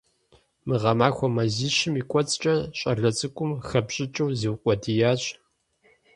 Мы гъэмахуэ мазищым и кӀуэцӀкӀэ щӀалэ цӀыкӀум хэпщӀыкӀыу зиукъуэдиящ.